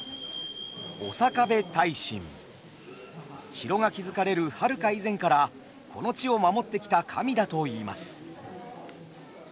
城が築かれるはるか以前からこの地を守ってきた神だといいます。